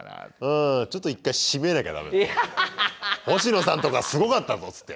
「星野さんとこはすごかったぞ！」つって。